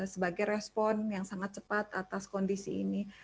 sebagai respon yang sangat cepat atas kondisi ini